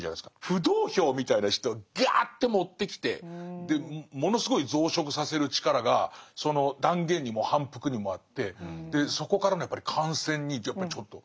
浮動票みたいな人をガーッと持ってきてものすごい増殖させる力がその断言にも反復にもあってでそこからの感染にやっぱりちょっと。